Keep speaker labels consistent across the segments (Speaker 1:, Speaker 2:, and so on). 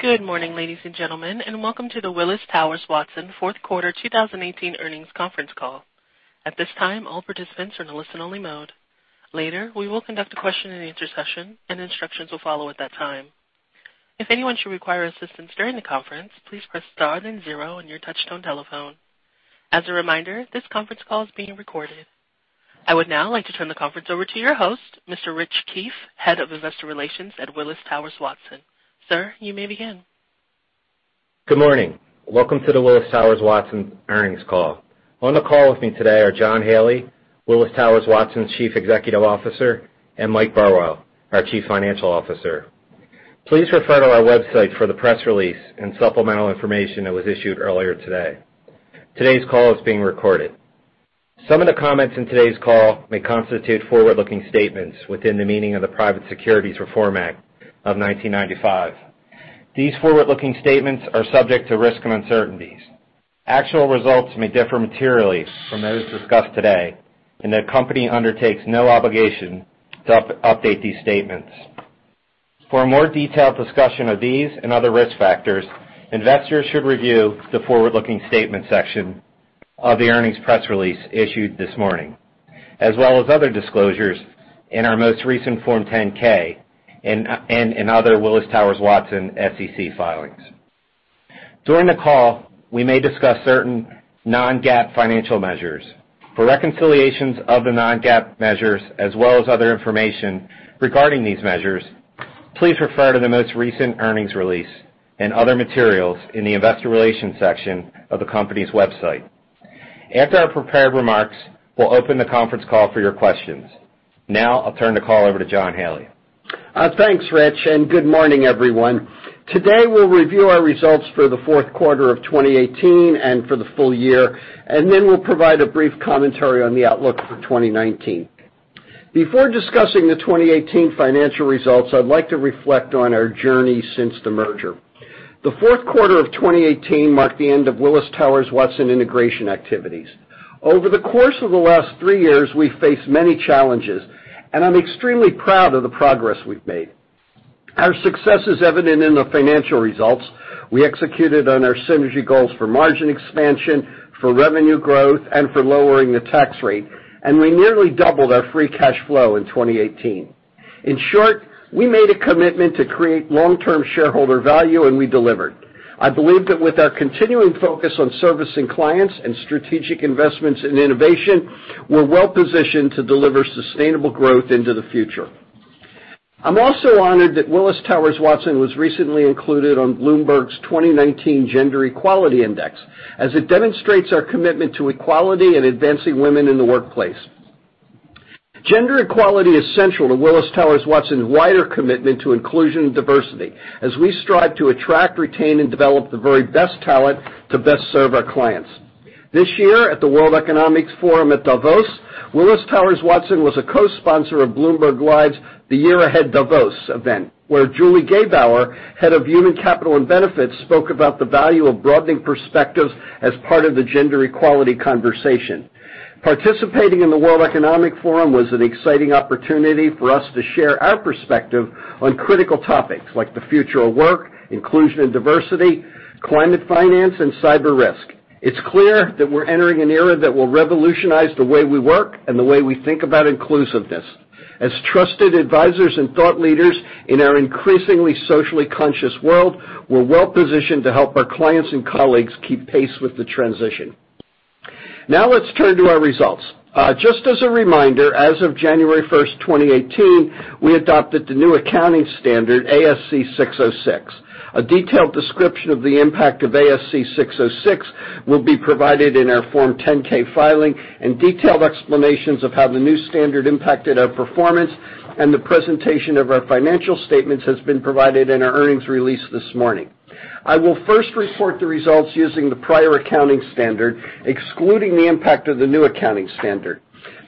Speaker 1: Good morning, ladies and gentlemen, and welcome to the Willis Towers Watson fourth quarter 2018 earnings conference call. At this time, all participants are in a listen-only mode. Later, we will conduct a question and answer session and instructions will follow at that time. If anyone should require assistance during the conference, please press star and zero on your touchtone telephone. As a reminder, this conference call is being recorded. I would now like to turn the conference over to your host, Mr. Rich Keefe, Head of Investor Relations at Willis Towers Watson. Sir, you may begin.
Speaker 2: Good morning. Welcome to the Willis Towers Watson earnings call. On the call with me today are John Haley, Willis Towers Watson's Chief Executive Officer, and Mike Burwell, our Chief Financial Officer. Please refer to our website for the press release and supplemental information that was issued earlier today. Today's call is being recorded. Some of the comments in today's call may constitute forward-looking statements within the meaning of the Private Securities Litigation Reform Act of 1995. These forward-looking statements are subject to risks and uncertainties. Actual results may differ materially from those discussed today, the company undertakes no obligation to update these statements. For a more detailed discussion of these and other risk factors, investors should review the forward-looking statements section of the earnings press release issued this morning, as well as other disclosures in our most recent Form 10-K and other Willis Towers Watson SEC filings. During the call, we may discuss certain non-GAAP financial measures. For reconciliations of the non-GAAP measures as well as other information regarding these measures, please refer to the most recent earnings release and other materials in the investor relations section of the company's website. After our prepared remarks, we'll open the conference call for your questions. I'll turn the call over to John Haley.
Speaker 3: Thanks, Rich. Good morning, everyone. Today, we'll review our results for the fourth quarter of 2018 and for the full year, then we'll provide a brief commentary on the outlook for 2019. Before discussing the 2018 financial results, I'd like to reflect on our journey since the merger. The fourth quarter of 2018 marked the end of Willis Towers Watson integration activities. Over the course of the last three years, we've faced many challenges, I'm extremely proud of the progress we've made. Our success is evident in the financial results. We executed on our synergy goals for margin expansion, for revenue growth, and for lowering the tax rate, we nearly doubled our free cash flow in 2018. In short, we made a commitment to create long-term shareholder value, we delivered. I believe that with our continuing focus on servicing clients and strategic investments in innovation, we're well-positioned to deliver sustainable growth into the future. I'm also honored that Willis Towers Watson was recently included on Bloomberg's 2019 Gender-Equality Index as it demonstrates our commitment to equality and advancing women in the workplace. Gender equality is central to Willis Towers Watson's wider commitment to inclusion and diversity as we strive to attract, retain, and develop the very best talent to best serve our clients. This year at the World Economic Forum at Davos, Willis Towers Watson was a co-sponsor of Bloomberg Live's The Year Ahead Davos event, where Julie Gebauer, Head of Human Capital and Benefits, spoke about the value of broadening perspectives as part of the gender equality conversation. Participating in the World Economic Forum was an exciting opportunity for us to share our perspective on critical topics like the future of work, inclusion and diversity, climate finance, and cyber risk. It's clear that we're entering an era that will revolutionize the way we work and the way we think about inclusiveness. As trusted advisors and thought leaders in our increasingly socially conscious world, we're well-positioned to help our clients and colleagues keep pace with the transition. Now, let's turn to our results. Just as a reminder, as of January first, 2018, we adopted the new accounting standard ASC 606. A detailed description of the impact of ASC 606 will be provided in our Form 10-K filing, and detailed explanations of how the new standard impacted our performance and the presentation of our financial statements has been provided in our earnings release this morning. I will first report the results using the prior accounting standard, excluding the impact of the new accounting standard.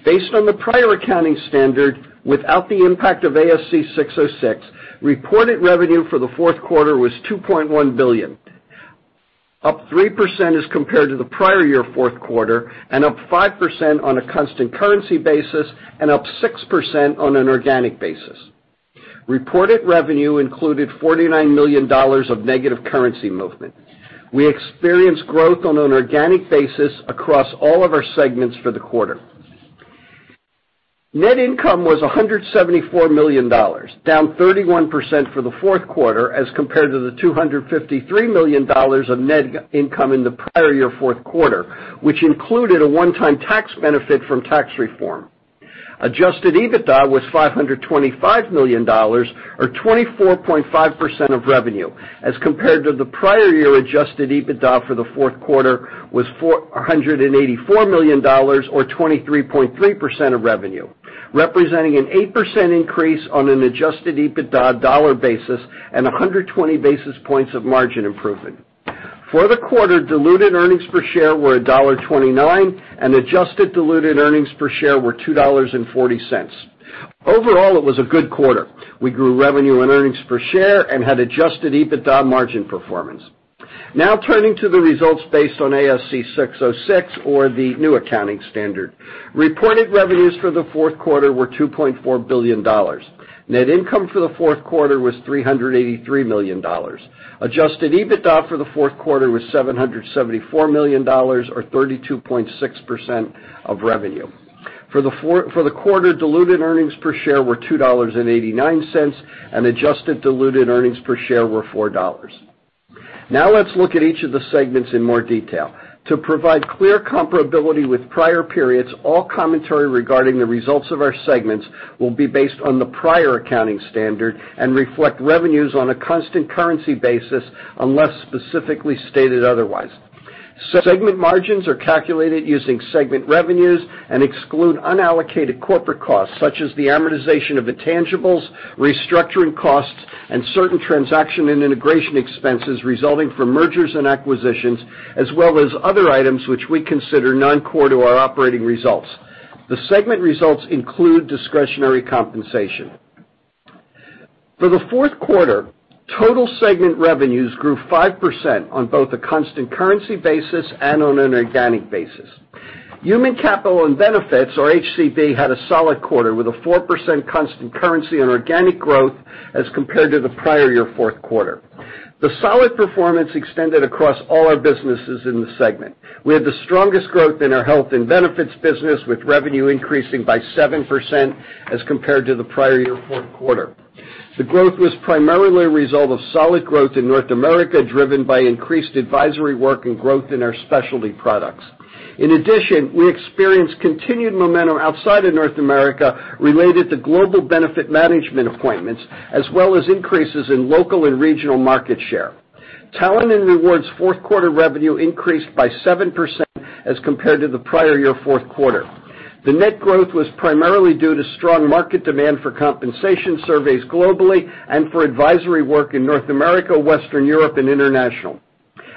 Speaker 3: Based on the prior accounting standard, without the impact of ASC 606, reported revenue for the fourth quarter was $2.1 billion, up 3% as compared to the prior year fourth quarter, and up 5% on a constant currency basis, and up 6% on an organic basis. Reported revenue included $49 million of negative currency movement. We experienced growth on an organic basis across all of our segments for the quarter. Net income was $174 million, down 31% for the fourth quarter as compared to the $253 million of net income in the prior year fourth quarter, which included a one-time tax benefit from tax reform. Adjusted EBITDA was $525 million, or 24.5% of revenue, as compared to the prior year adjusted EBITDA for the fourth quarter was $184 million, or 23.3% of revenue, representing an 8% increase on an adjusted EBITDA dollar basis and 120 basis points of margin improvement. For the quarter, diluted earnings per share were $1.29, and adjusted diluted earnings per share were $2.40. Overall, it was a good quarter. We grew revenue and earnings per share and had adjusted EBITDA margin performance. Now turning to the results based on ASC 606 or the new accounting standard. Reported revenues for the fourth quarter were $2.4 billion. Net income for the fourth quarter was $383 million. Adjusted EBITDA for the fourth quarter was $774 million, or 32.6% of revenue. For the quarter, diluted earnings per share were $2.89, and adjusted diluted earnings per share were $4. Let's look at each of the segments in more detail. To provide clear comparability with prior periods, all commentary regarding the results of our segments will be based on the prior accounting standard and reflect revenues on a constant currency basis, unless specifically stated otherwise. Segment margins are calculated using segment revenues and exclude unallocated corporate costs, such as the amortization of intangibles, restructuring costs, and certain transaction and integration expenses resulting from mergers and acquisitions, as well as other items which we consider non-core to our operating results. The segment results include discretionary compensation. For the fourth quarter, total segment revenues grew 5% on both a constant currency basis and on an organic basis. Human Capital & Benefits, or HCB, had a solid quarter with a 4% constant currency and organic growth as compared to the prior year fourth quarter. The solid performance extended across all our businesses in the segment. We had the strongest growth in our health and benefits business, with revenue increasing by 7% as compared to the prior year fourth quarter. The growth was primarily a result of solid growth in North America, driven by increased advisory work and growth in our specialty products. We experienced continued momentum outside of North America related to global benefit management appointments, as well as increases in local and regional market share. Talent & Rewards fourth quarter revenue increased by 7% as compared to the prior year fourth quarter. The net growth was primarily due to strong market demand for compensation surveys globally and for advisory work in North America, Western Europe, and International.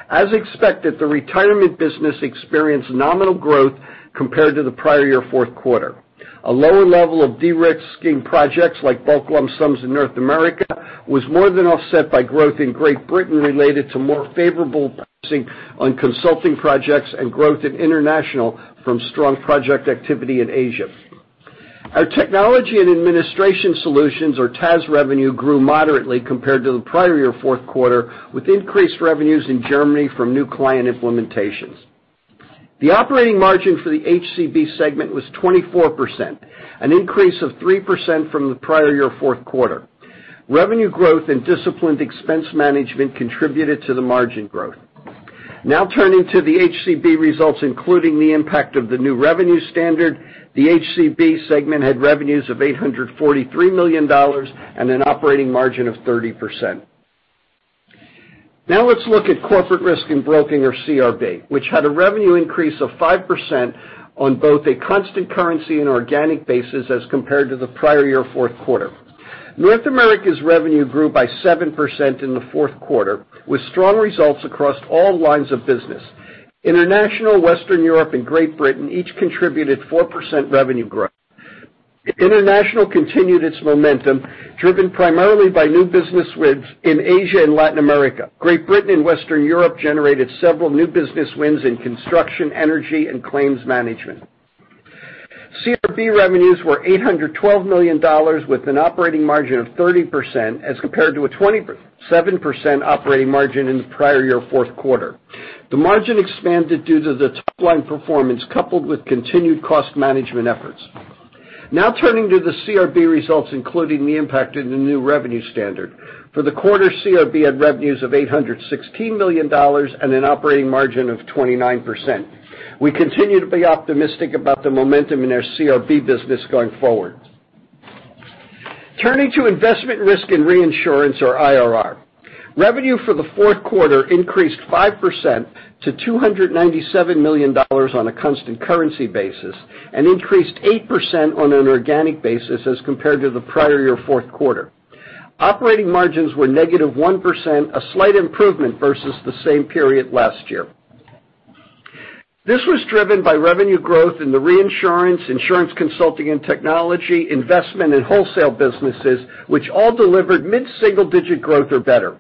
Speaker 3: As expected, the retirement business experienced nominal growth compared to the prior year fourth quarter. A lower level of de-risking projects like bulk lump sums in North America was more than offset by growth in Great Britain related to more favorable pricing on consulting projects and growth in International from strong project activity in Asia. Our Technology & Administration Solutions, or TAS revenue, grew moderately compared to the prior year fourth quarter, with increased revenues in Germany from new client implementations. The operating margin for the HCB segment was 24%, an increase of 3% from the prior year fourth quarter. Revenue growth and disciplined expense management contributed to the margin growth. Turning to the HCB results, including the impact of the new revenue standard, the HCB segment had revenues of $843 million and an operating margin of 30%. Let's look at Corporate Risk & Broking, or CRB, which had a revenue increase of 5% on both a constant currency and organic basis as compared to the prior year fourth quarter. North America's revenue grew by 7% in the fourth quarter, with strong results across all lines of business. International, Western Europe, and Great Britain each contributed 4% revenue growth. International continued its momentum, driven primarily by new business wins in Asia and Latin America. Great Britain and Western Europe generated several new business wins in construction, energy, and claims management. CRB revenues were $812 million, with an operating margin of 30%, as compared to a 27% operating margin in the prior year fourth quarter. The margin expanded due to the top-line performance, coupled with continued cost management efforts. Turning to the CRB results, including the impact of the new revenue standard. For the quarter, CRB had revenues of $816 million and an operating margin of 29%. We continue to be optimistic about the momentum in our CRB business going forward. Turning to Investment, Risk and Reinsurance, or IRR. Revenue for the fourth quarter increased 5% to $297 million on a constant currency basis and increased 8% on an organic basis as compared to the prior year fourth quarter. Operating margins were -1%, a slight improvement versus the same period last year. This was driven by revenue growth in the reinsurance, insurance consulting and technology, investment, and wholesale businesses, which all delivered mid-single digit growth or better.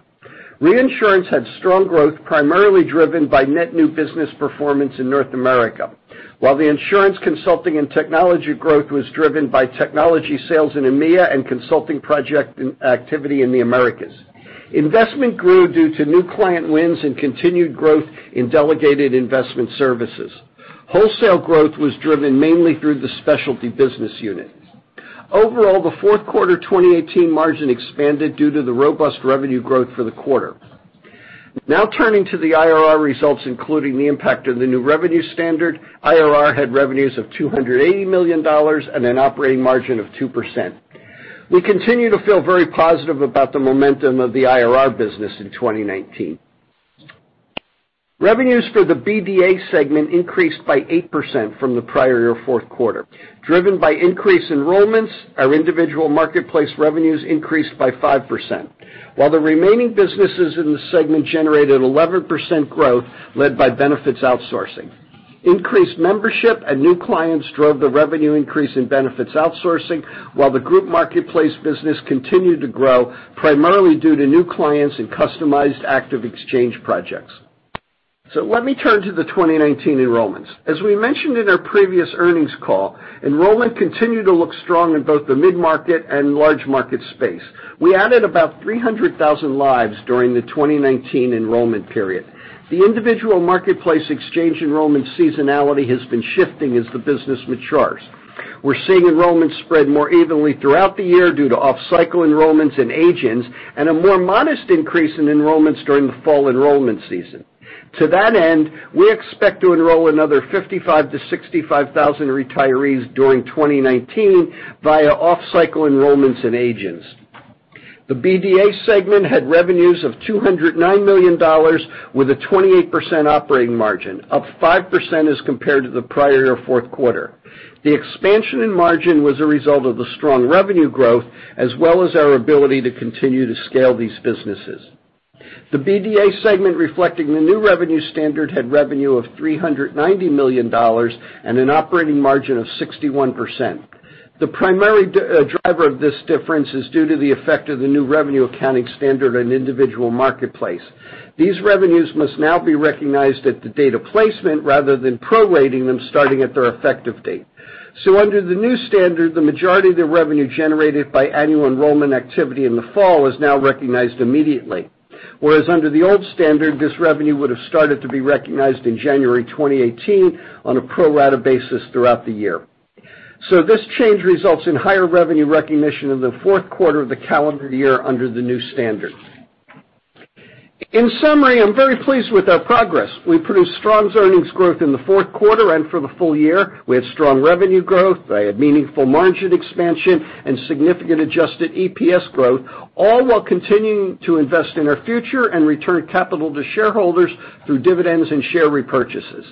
Speaker 3: Reinsurance had strong growth, primarily driven by net new business performance in North America, while the insurance consulting and technology growth was driven by technology sales in EMEA and consulting project activity in the Americas. Investment grew due to new client wins and continued growth in delegated investment services. Wholesale growth was driven mainly through the specialty business unit. Overall, the fourth quarter 2018 margin expanded due to the robust revenue growth for the quarter. Turning to the IRR results, including the impact of the new revenue standard, IRR had revenues of $280 million and an operating margin of 2%. We continue to feel very positive about the momentum of the IRR business in 2019. Revenues for the BDA segment increased by 8% from the prior year fourth quarter. Driven by increased enrollments, our individual marketplace revenues increased by 5%, while the remaining businesses in the segment generated 11% growth, led by benefits outsourcing. Increased membership and new clients drove the revenue increase in benefits outsourcing, while the group marketplace business continued to grow, primarily due to new clients and customized active exchange projects. Let me turn to the 2019 enrollments. As we mentioned in our previous earnings call, enrollment continued to look strong in both the mid-market and large market space. We added about 300,000 lives during the 2019 enrollment period. The individual marketplace exchange enrollment seasonality has been shifting as the business matures. We're seeing enrollments spread more evenly throughout the year due to off-cycle enrollments and agents, and a more modest increase in enrollments during the fall enrollment season. To that end, we expect to enroll another 55,000-65,000 retirees during 2019 via off-cycle enrollments and agents. The BDA segment had revenues of $209 million with a 28% operating margin, up 5% as compared to the prior year fourth quarter. The expansion in margin was a result of the strong revenue growth, as well as our ability to continue to scale these businesses. The BDA segment reflecting the new revenue standard, had revenue of $390 million and an operating margin of 61%. The primary driver of this difference is due to the effect of the new revenue accounting standard on individual marketplace. These revenues must now be recognized at the date of placement rather than prorating them starting at their effective date. Under the new standard, the majority of the revenue generated by annual enrollment activity in the fall is now recognized immediately. Whereas under the old standard, this revenue would've started to be recognized in January 2018 on a pro rata basis throughout the year. This change results in higher revenue recognition in the fourth quarter of the calendar year under the new standard. In summary, I'm very pleased with our progress. We produced strong earnings growth in the fourth quarter and for the full year. We had strong revenue growth. I had meaningful margin expansion and significant adjusted EPS growth, all while continuing to invest in our future and return capital to shareholders through dividends and share repurchases.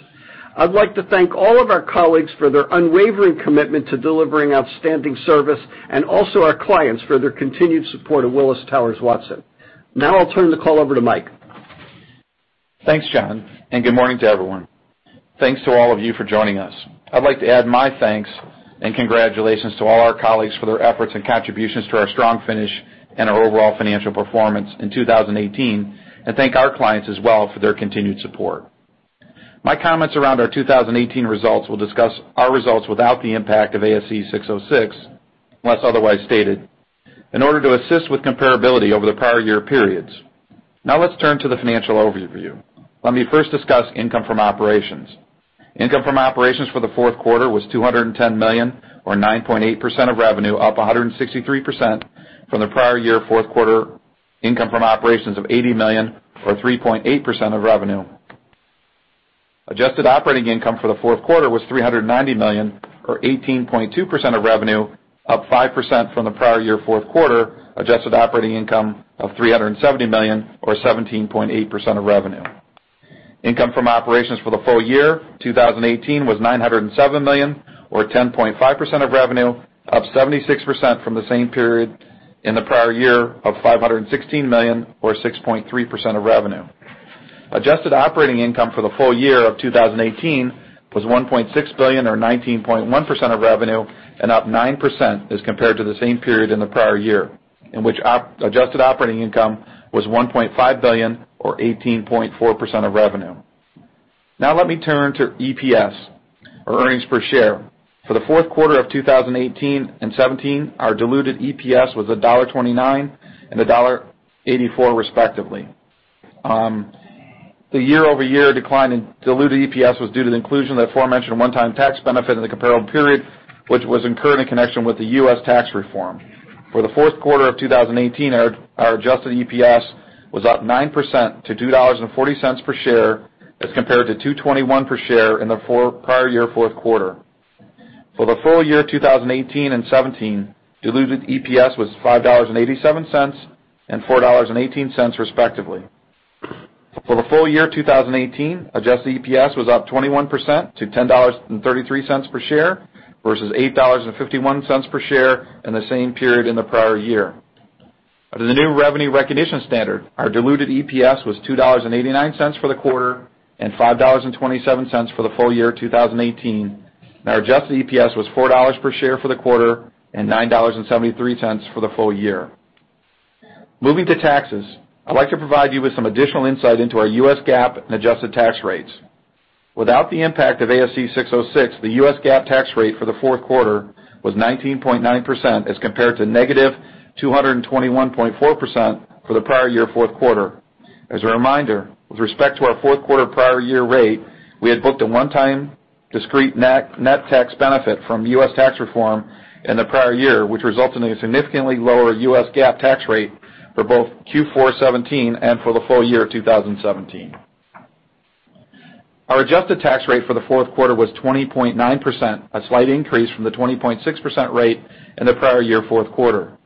Speaker 3: I would like to thank all of our colleagues for their unwavering commitment to delivering outstanding service, and also our clients for their continued support of Willis Towers Watson. Now I will turn the call over to Mike.
Speaker 4: Thanks, John, and good morning to everyone. Thanks to all of you for joining us. I would like to add my thanks and congratulations to all our colleagues for their efforts and contributions to our strong finish and our overall financial performance in 2018, and thank our clients as well for their continued support. My comments around our 2018 results will discuss our results without the impact of ASC 606, unless otherwise stated, in order to assist with comparability over the prior year periods. Now let's turn to the financial overview. Let me first discuss income from operations. Income from operations for the fourth quarter was $210 million, or 9.8% of revenue, up 163% from the prior year fourth quarter income from operations of $80 million, or 3.8% of revenue. Adjusted operating income for the fourth quarter was $390 million, or 18.2% of revenue, up 5% from the prior year fourth quarter adjusted operating income of $370 million or 17.8% of revenue. Income from operations for the full year 2018 was $907 million, or 10.5% of revenue, up 76% from the same period in the prior year of $516 million or 6.3% of revenue. Adjusted operating income for the full year of 2018 was $1.6 billion or 19.1% of revenue and up 9% as compared to the same period in the prior year, in which adjusted operating income was $1.5 billion or 18.4% of revenue. Now let me turn to EPS, or earnings per share. For the fourth quarter of 2018 and 2017, our diluted EPS was $1.29 and $1.84, respectively. The year-over-year decline in diluted EPS was due to the inclusion of the aforementioned one-time tax benefit in the comparable period, which was incurred in connection with the U.S. tax reform. For the fourth quarter of 2018, our adjusted EPS was up 9% to $2.40 per share as compared to $2.21 per share in the prior year fourth quarter. For the full year 2018 and 2017, diluted EPS was $5.87 and $4.18, respectively. For the full year 2018, adjusted EPS was up 21% to $10.33 per share versus $8.51 per share in the same period in the prior year. Under the new revenue recognition standard, our diluted EPS was $2.89 for the quarter and $5.27 for the full year 2018. Our adjusted EPS was $4 per share for the quarter and $9.73 for the full year. Moving to taxes, I'd like to provide you with some additional insight into our U.S. GAAP and adjusted tax rates. Without the impact of ASC 606, the U.S. GAAP tax rate for the fourth quarter was 19.9% as compared to -221.4% for the prior year fourth quarter. As a reminder, with respect to our fourth quarter prior year rate, we had booked a one-time discrete net tax benefit from U.S. tax reform in the prior year, which resulted in a significantly lower U.S. GAAP tax rate for both Q4 2017 and for the full year 2017. Our adjusted tax rate for the fourth quarter was 20.9%, a slight increase from the 20.6% rate in the prior year fourth quarter.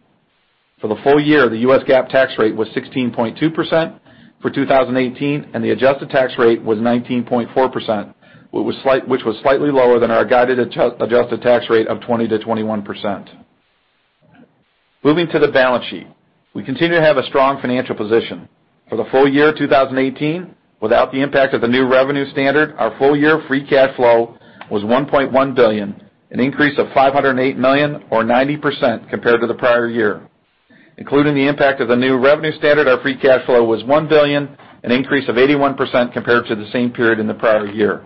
Speaker 4: For the full year, the U.S. GAAP tax rate was 16.2% for 2018, and the adjusted tax rate was 19.4%, which was slightly lower than our guided adjusted tax rate of 20%-21%. Moving to the balance sheet. We continue to have a strong financial position. For the full year 2018, without the impact of the new revenue standard, our full-year free cash flow was $1.1 billion, an increase of $508 million or 90% compared to the prior year. Including the impact of the new revenue standard, our free cash flow was $1 billion, an increase of 81% compared to the same period in the prior year.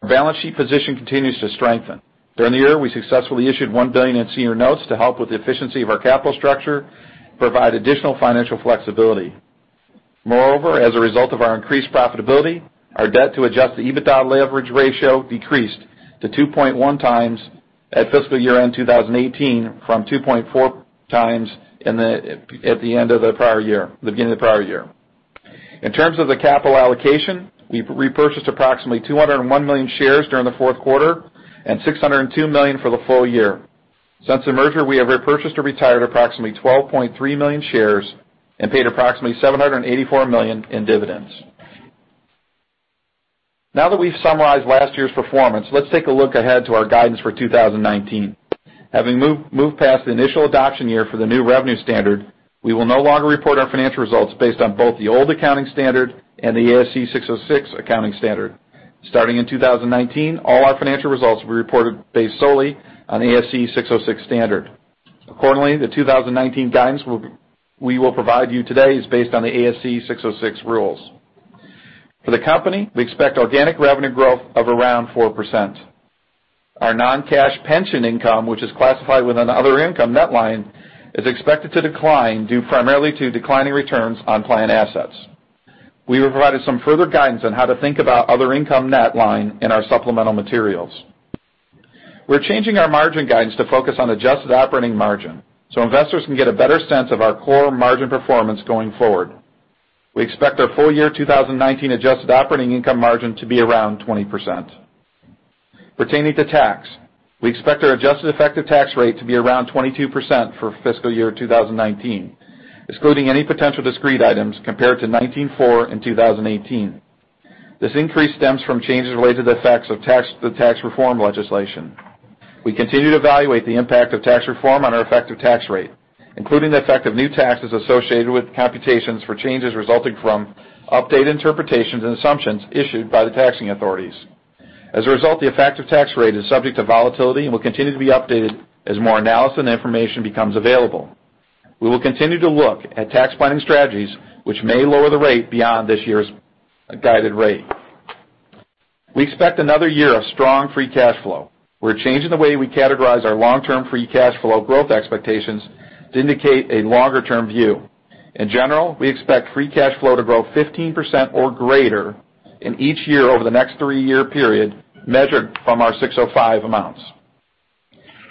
Speaker 4: Our balance sheet position continues to strengthen. During the year, we successfully issued $1 billion in senior notes to help with the efficiency of our capital structure provide additional financial flexibility. As a result of our increased profitability, our debt to adjusted EBITDA leverage ratio decreased to 2.1 times at fiscal year-end 2018 from 2.4 times at the end of the prior year, the beginning of the prior year. In terms of the capital allocation, we've repurchased approximately 201 million shares during the fourth quarter and 602 million for the full year. Since the merger, we have repurchased or retired approximately 12.3 million shares and paid approximately $784 million in dividends. Now that we've summarized last year's performance, let's take a look ahead to our guidance for 2019. Having moved past the initial adoption year for the new revenue standard, we will no longer report our financial results based on both the old accounting standard and the ASC 606 accounting standard. Starting in 2019, all our financial results will be reported based solely on ASC 606 standard. The 2019 guidance we will provide you today is based on the ASC 606 rules. For the company, we expect organic revenue growth of around 4%. Our non-cash pension income, which is classified within the other income net line, is expected to decline due primarily to declining returns on plan assets. We have provided some further guidance on how to think about other income net line in our supplemental materials. We're changing our margin guidance to focus on adjusted operating margin, so investors can get a better sense of our core margin performance going forward. We expect our full-year 2019 adjusted operating income margin to be around 20%. Pertaining to tax, we expect our adjusted effective tax rate to be around 22% for fiscal year 2019, excluding any potential discrete items compared to 19.4% in 2018. This increase stems from changes related to the effects of the tax reform legislation. We continue to evaluate the impact of tax reform on our effective tax rate, including the effect of new taxes associated with computations for changes resulting from updated interpretations and assumptions issued by the taxing authorities. As a result, the effective tax rate is subject to volatility and will continue to be updated as more analysis and information becomes available. We will continue to look at tax planning strategies which may lower the rate beyond this year's guided rate. We expect another year of strong free cash flow. We're changing the way we categorize our long-term free cash flow growth expectations to indicate a longer-term view. In general, we expect free cash flow to grow 15% or greater in each year over the next three-year period, measured from our 605 amounts.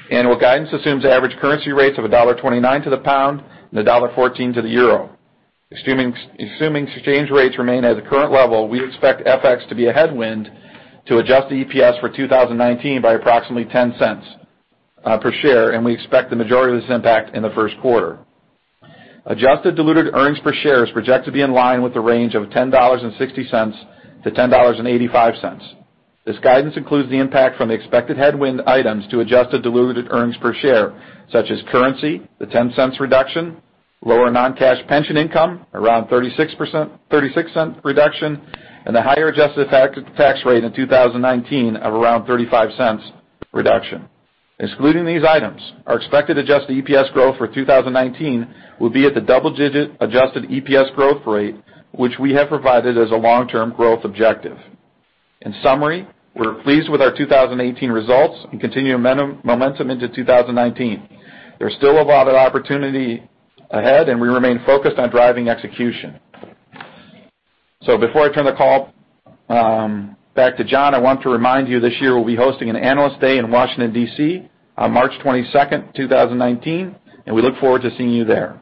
Speaker 4: Annual guidance assumes average currency rates of $1.29 to the pound and $1.14 to the euro. Assuming exchange rates remain at the current level, we expect FX to be a headwind to adjusted EPS for 2019 by approximately $0.10 per share, and we expect the majority of this impact in the first quarter. Adjusted diluted earnings per share is projected to be in line with the range of $10.60-$10.85. This guidance includes the impact from the expected headwind items to adjusted diluted earnings per share, such as currency, the $0.10 reduction, lower non-cash pension income, around $0.36 reduction, and the higher adjusted effective tax rate in 2019 of around $0.35 reduction. Excluding these items, our expected adjusted EPS growth for 2019 will be at the double-digit adjusted EPS growth rate, which we have provided as a long-term growth objective. In summary, we're pleased with our 2018 results and continuing momentum into 2019. There's still a lot of opportunity ahead, and we remain focused on driving execution. Before I turn the call back to John, I want to remind you this year we'll be hosting an Analyst Day in Washington, D.C., on March 22nd, 2019, and we look forward to seeing you there.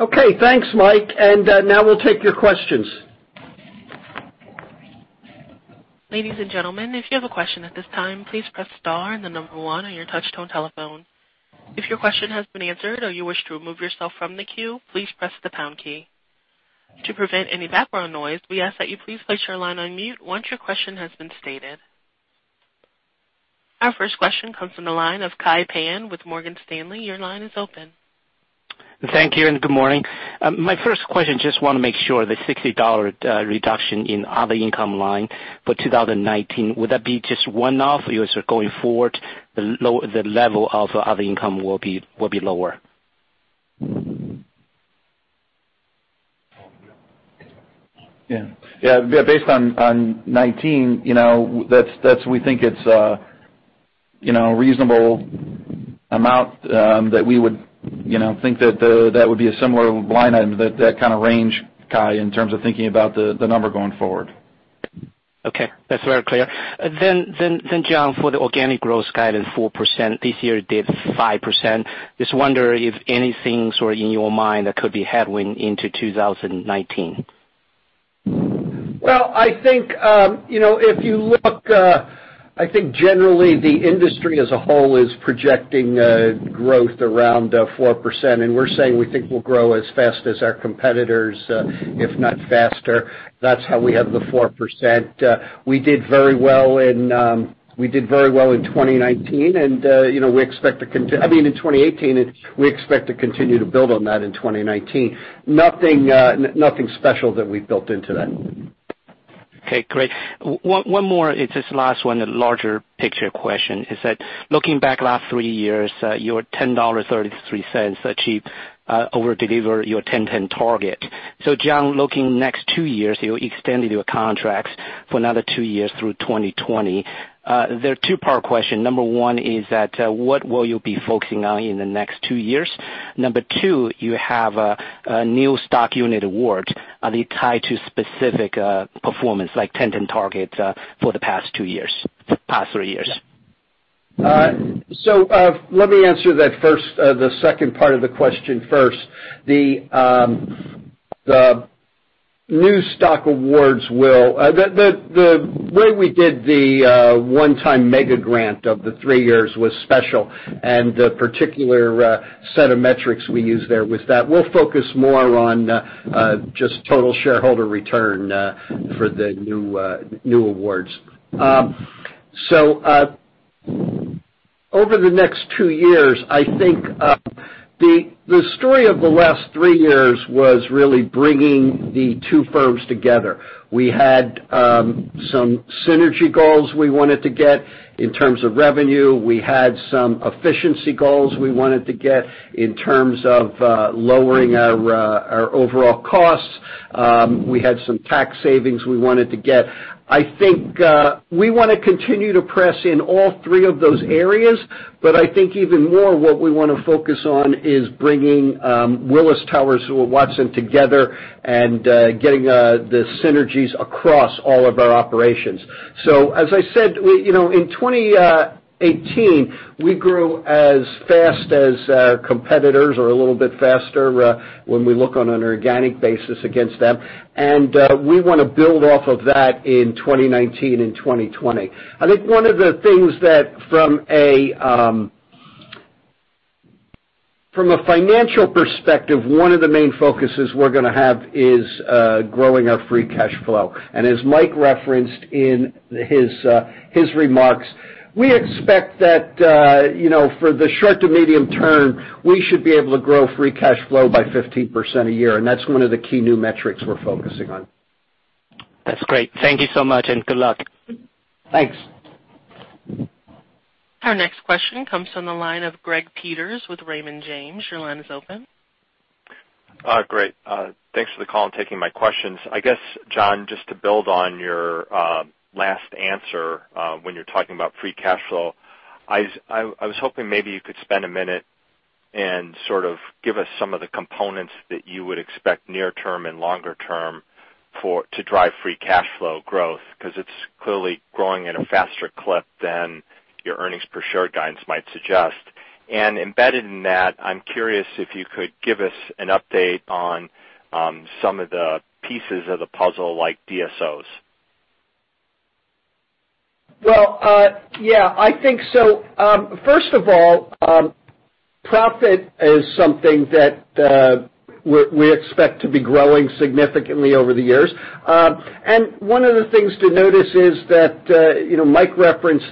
Speaker 3: Okay, thanks, Mike. Now we'll take your questions.
Speaker 1: Ladies and gentlemen, if you have a question at this time, please press star and the number one on your touch-tone telephone. If your question has been answered or you wish to remove yourself from the queue, please press the pound key. To prevent any background noise, we ask that you please place your line on mute once your question has been stated. Our first question comes from the line of Kai Pan with Morgan Stanley. Your line is open.
Speaker 5: Thank you. Good morning. My first question, just want to make sure the $60 reduction in other income line for 2019, would that be just one-off or going forward, the level of other income will be lower?
Speaker 4: Yeah. Based on 2019, we think it's a reasonable amount that we would think that would be a similar line item, that kind of range, Kai, in terms of thinking about the number going forward.
Speaker 5: Okay. That's very clear. John, for the organic growth guidance 4%, this year it did 5%. Just wonder if anything sort of in your mind that could be headwind into 2019.
Speaker 3: I think generally the industry as a whole is projecting growth around 4%. We're saying we think we'll grow as fast as our competitors, if not faster. That's how we have the 4%. We did very well in 2018. We expect to continue to build on that in 2019. Nothing special that we've built into that.
Speaker 5: Okay, great. One more. It's just the last one, a larger picture question, is that looking back the last three years, your $10.33 achieve over-deliver your 10/10 target. John, looking next two years, you extended your contracts for another two years through 2020. They're a two-part question. Number one is that what will you be focusing on in the next two years? Number two, you have a new stock unit award. Are they tied to specific performance, like 10/10 targets for the past three years?
Speaker 3: Let me answer the second part of the question first. The way we did the one-time mega grant of the three years was special. The particular set of metrics we used there was that we'll focus more on just total shareholder return for the new awards. Over the next two years, I think the story of the last three years was really bringing the two firms together. We had some synergy goals we wanted to get in terms of revenue. We had some efficiency goals we wanted to get in terms of lowering our overall costs. We had some tax savings we wanted to get. I think we want to continue to press in all three of those areas. I think even more what we want to focus on is bringing Willis Towers Watson together and getting the synergies across all of our operations. As I said, in 2018, we grew as fast as our competitors or a little bit faster when we look on an organic basis against them. We want to build off of that in 2019 and 2020. I think from a financial perspective, one of the main focuses we're going to have is growing our free cash flow. As Mike referenced in his remarks, we expect that for the short to medium term, we should be able to grow free cash flow by 15% a year. That's one of the key new metrics we're focusing on.
Speaker 5: That's great. Thank you so much, and good luck.
Speaker 3: Thanks.
Speaker 1: Our next question comes from the line of Gregory Peters with Raymond James. Your line is open.
Speaker 6: Great. Thanks for the call and taking my questions. I guess, John, just to build on your last answer when you're talking about free cash flow, I was hoping maybe you could spend a minute and sort of give us some of the components that you would expect near term and longer term to drive free cash flow growth, because it's clearly growing at a faster clip than your earnings per share guidance might suggest. Embedded in that, I'm curious if you could give us an update on some of the pieces of the puzzle, like DSOs.
Speaker 3: Well, yeah, I think so. First of all, profit is something that we expect to be growing significantly over the years. One of the things to notice is that Mike referenced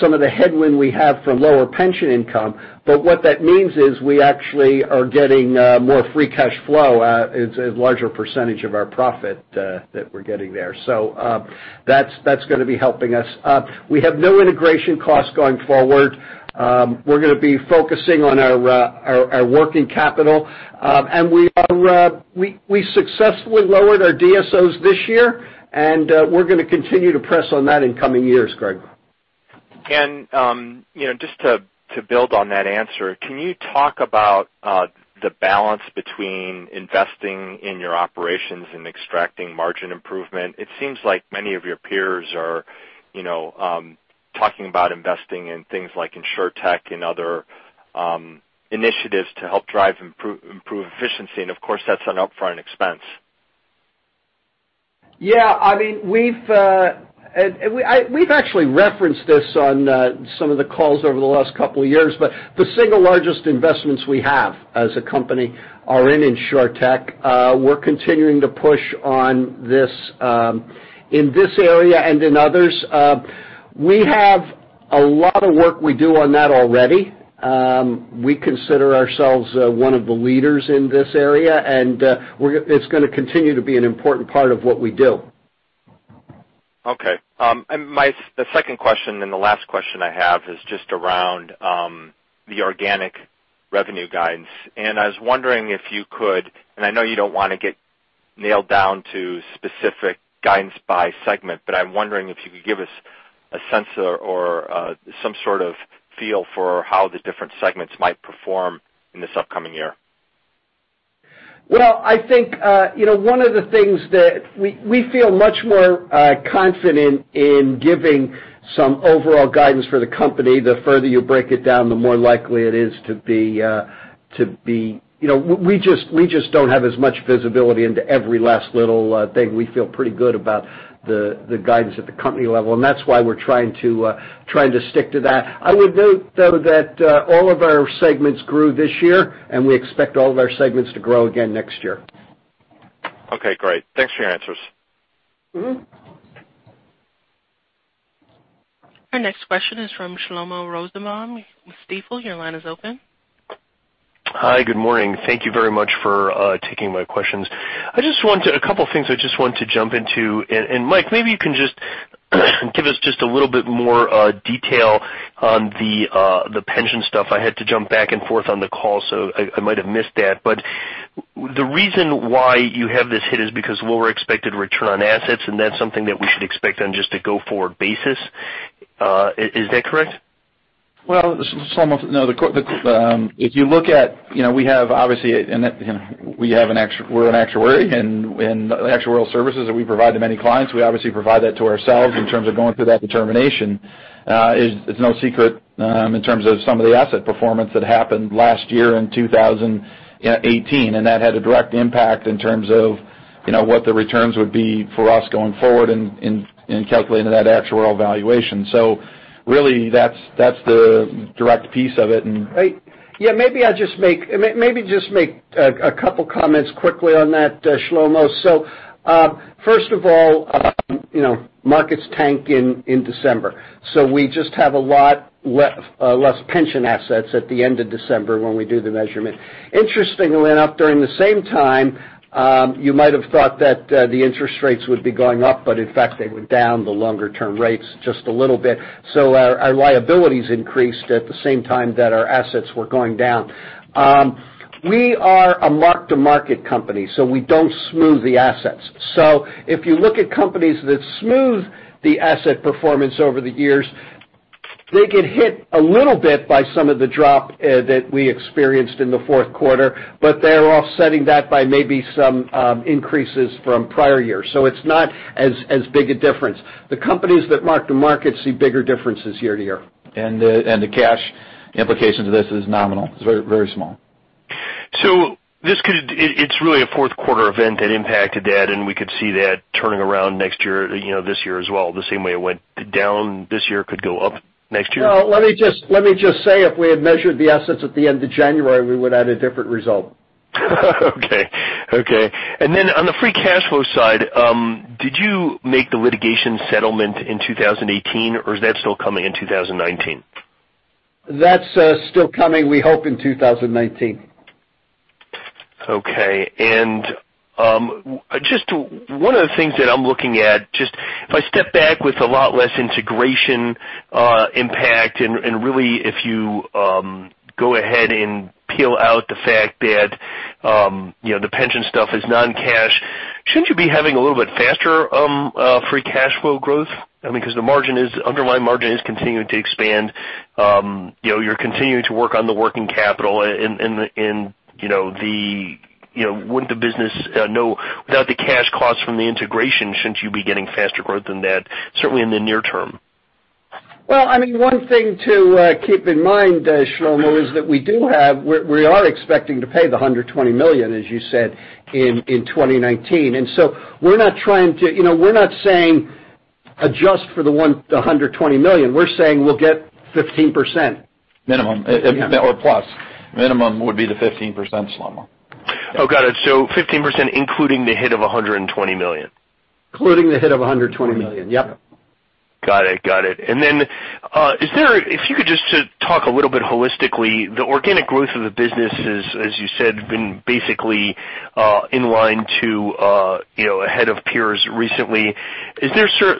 Speaker 3: some of the headwind we have from lower pension income. What that means is we actually are getting more free cash flow. It's a larger percentage of our profit that we're getting there. That's going to be helping us. We have no integration costs going forward. We're going to be focusing on our working capital. We successfully lowered our DSOs this year, and we're going to continue to press on that in coming years, Greg.
Speaker 6: Just to build on that answer, can you talk about the balance between investing in your operations and extracting margin improvement? It seems like many of your peers are talking about investing in things like insurtech and other initiatives to help drive improved efficiency, and of course, that's an upfront expense.
Speaker 3: Yeah. We've actually referenced this on some of the calls over the last couple of years, but the single largest investments we have as a company are in insurtech. We're continuing to push on in this area and in others. We have a lot of work we do on that already. We consider ourselves one of the leaders in this area, and it's going to continue to be an important part of what we do.
Speaker 6: Okay. The second question and the last question I have is just around the organic revenue guidance. I was wondering if you could, and I know you don't want to get nailed down to specific guidance by segment, but I'm wondering if you could give us a sense or some sort of feel for how the different segments might perform in this upcoming year.
Speaker 3: Well, I think one of the things that we feel much more confident in giving some overall guidance for the company. The further you break it down, the more likely it is to be. We just don't have as much visibility into every last little thing. We feel pretty good about the guidance at the company level, and that's why we're trying to stick to that. I would note, though, that all of our segments grew this year, and we expect all of our segments to grow again next year.
Speaker 6: Okay, great. Thanks for your answers.
Speaker 1: Our next question is from Shlomo Rosenbaum with Stifel. Your line is open.
Speaker 7: Hi. Good morning. Thank you very much for taking my questions. A couple of things I just want to jump into, Mike, maybe you can just give us just a little bit more detail on the pension stuff. I had to jump back and forth on the call, so I might have missed that. The reason why you have this hit is because lower expected return on assets, and that's something that we should expect on just a go-forward basis. Is that correct?
Speaker 4: Well, Shlomo, no. We're an actuary, the actuarial services that we provide to many clients, we obviously provide that to ourselves in terms of going through that determination. It's no secret in terms of some of the asset performance that happened last year in 2018, that had a direct impact in terms of what the returns would be for us going forward in calculating that actuarial valuation. Really, that's the direct piece of it.
Speaker 3: Yeah, maybe just make a couple of comments quickly on that, Shlomo. First of all, markets tanked in December, so we just have a lot less pension assets at the end of December when we do the measurement. Interestingly enough, during the same time, you might have thought that the interest rates would be going up, but in fact, they went down, the longer-term rates, just a little bit. Our liabilities increased at the same time that our assets were going down. We are a mark-to-market company, so we don't smooth the assets. If you look at companies that smooth the asset performance over the years, they get hit a little bit by some of the drop that we experienced in the fourth quarter, but they're offsetting that by maybe some increases from prior years. It's not as big a difference. The companies that mark the market see bigger differences year to year.
Speaker 4: The cash implication to this is nominal. It's very small.
Speaker 7: It's really a fourth quarter event that impacted that, and we could see that turning around next year, this year as well, the same way it went down this year, could go up next year?
Speaker 3: Well, let me just say, if we had measured the assets at the end of January, we would've had a different result.
Speaker 7: Okay. Then on the free cash flow side, did you make the litigation settlement in 2018, or is that still coming in 2019?
Speaker 3: That's still coming, we hope, in 2019.
Speaker 7: Okay. Just one of the things that I'm looking at, if I step back with a lot less integration impact and really if you go ahead and peel out the fact that the pension stuff is non-cash, shouldn't you be having a little bit faster free cash flow growth? I mean, because the underlying margin is continuing to expand. You're continuing to work on the working capital. Without the cash costs from the integration, shouldn't you be getting faster growth than that, certainly in the near term?
Speaker 3: Well, one thing to keep in mind, Shlomo, is that we are expecting to pay the $120 million, as you said, in 2019. We're not saying adjust for the $120 million. We're saying we'll get 15%.
Speaker 4: Minimum, or plus. Minimum would be the 15%, Shlomo.
Speaker 7: Oh, got it. 15% including the hit of $120 million.
Speaker 3: Including the hit of $120 million. Yep.
Speaker 7: If you could just talk a little bit holistically, the organic growth of the business is, as you said, been basically in line to ahead of peers recently. Is there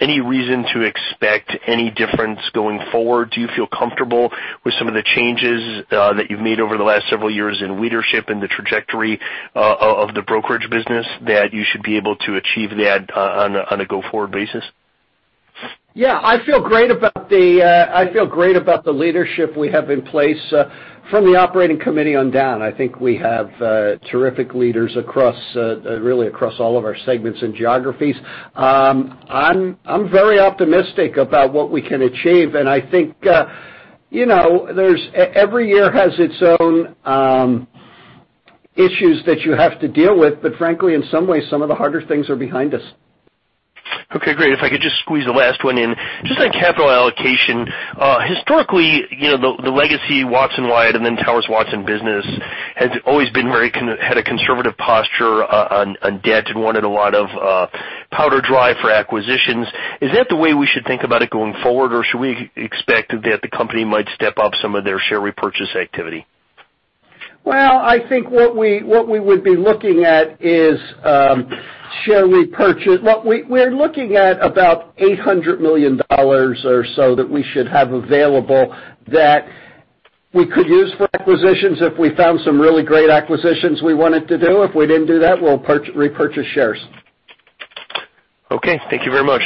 Speaker 7: any reason to expect any difference going forward? Do you feel comfortable with some of the changes that you've made over the last several years in leadership and the trajectory of the brokerage business that you should be able to achieve that on a go-forward basis?
Speaker 3: Yeah, I feel great about the leadership we have in place. From the operating committee on down, I think we have terrific leaders really across all of our segments and geographies. I'm very optimistic about what we can achieve, and I think every year has its own issues that you have to deal with, but frankly, in some ways, some of the harder things are behind us.
Speaker 7: Okay, great. If I could just squeeze the last one in. Just on capital allocation. Historically, the legacy Watson Wyatt and then Towers Watson business has always had a conservative posture on debt and wanted a lot of powder dry for acquisitions. Is that the way we should think about it going forward, or should we expect that the company might step up some of their share repurchase activity?
Speaker 3: I think what we would be looking at is share repurchase. We're looking at about $800 million or so that we should have available that we could use for acquisitions if we found some really great acquisitions we wanted to do. If we didn't do that, we'll repurchase shares.
Speaker 7: Okay. Thank you very much.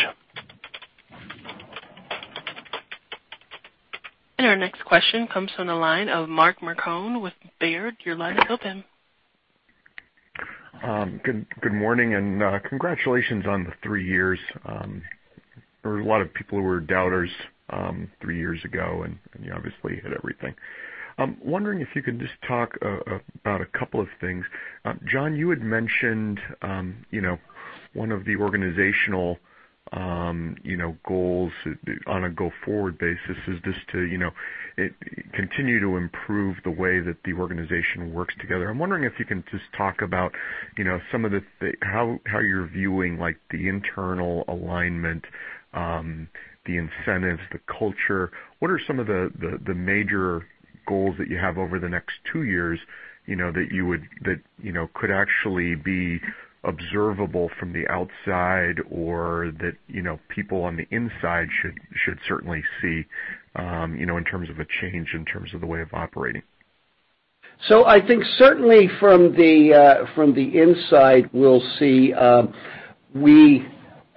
Speaker 1: Our next question comes from the line of Mark Marcon with Baird. Your line is open.
Speaker 8: Good morning, and congratulations on the three years. There were a lot of people who were doubters three years ago, and you obviously hit everything. I'm wondering if you could just talk about a couple of things. John, you had mentioned one of the organizational goals on a go-forward basis is just to continue to improve the way that the organization works together. I'm wondering if you can just talk about how you're viewing the internal alignment, the incentives, the culture. What are some of the major goals that you have over the next two years, that could actually be observable from the outside or that people on the inside should certainly see, in terms of a change, in terms of the way of operating?
Speaker 3: I think certainly from the inside, we'll see.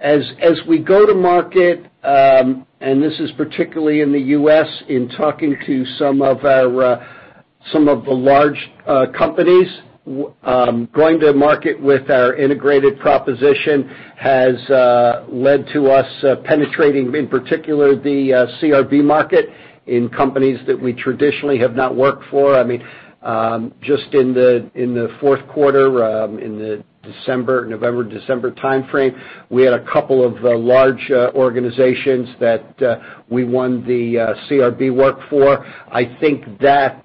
Speaker 3: As we go to market, this is particularly in the U.S., in talking to some of the large companies, going to market with our integrated proposition has led to us penetrating, in particular, the CRB market in companies that we traditionally have not worked for. Just in the fourth quarter, in the November, December timeframe, we had a couple of large organizations that we won the CRB work for. I think that